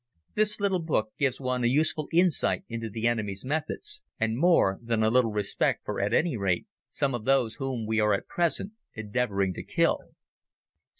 This little book gives one a useful insight into the enemy's methods, and more than a little respect for at any rate some of those whom we are at present endeavoring to kill.